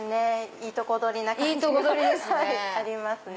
いいとこ取りな感じがありますね。